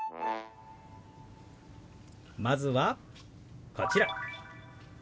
まずはこちら。